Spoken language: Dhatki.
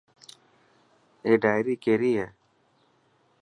اي ڊائري ڪيري هي.